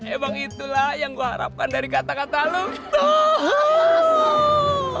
emang itulah yang gue harapkan dari kata kata lonto